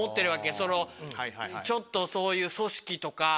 そのちょっとそういう組織とか。